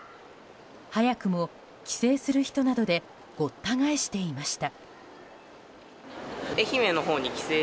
早くも帰省する人などでごった返していました。